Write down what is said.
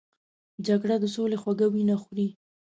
جګړه د سولې خوږه وینه خوري